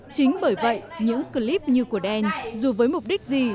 chính bởi vậy những clip như của đen dù với mục đích gì